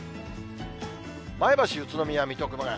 前橋、宇都宮、水戸、熊谷。